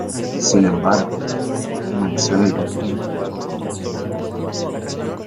Sin embargo, permaneció en el banquillo todo el encuentro.